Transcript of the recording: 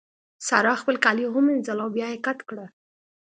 سارا خپل کالي ومينځل او بيا يې کت کړې.